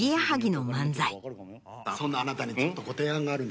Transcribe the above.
そんなあなたにちょっとご提案があるんですけど。